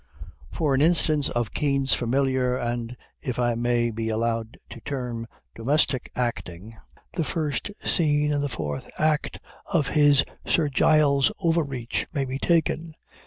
As an instance of Kean's familiar, and, if I may be allowed to term, domestic acting, the first scene in the fourth act of his Sir Giles Overreach may be taken.